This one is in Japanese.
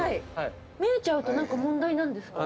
見えちゃうと何か問題なんですか？